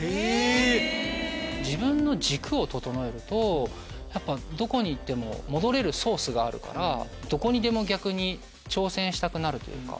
自分の軸を整えるとどこにいっても戻れるソースがあるからどこにでも逆に挑戦したくなるというか。